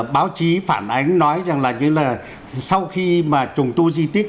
báo chí phản ánh nói rằng là như là sau khi mà trùng tu di tích